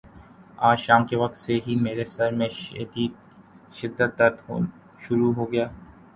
آج شام کے وقت سے ہی میرے سر میں شدد درد شروع ہو گیا۔